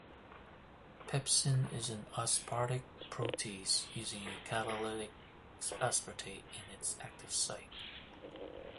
Pepsin is an aspartic protease, using a catalytic aspartate in its active site.